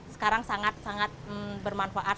sekarang sangat bermanfaat